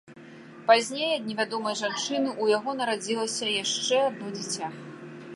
Пазней ад невядомай жанчыны ў яго нарадзілася яшчэ адно дзіця.